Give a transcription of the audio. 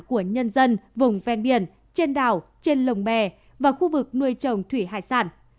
của nhân dân vùng ven biển trên đảo trên lồng bè và khu vực nuôi trồng thủy hải sản